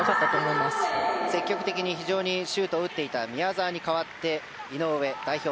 積極的に非常にシュートを打っていた宮澤に代わって井上代表